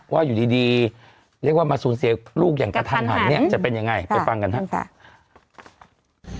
ว่าอยู่ดีเรียกว่ามาสูญเสียลูกอย่างกระทันหันเนี่ยจะเป็นยังไงไปฟังกันครับ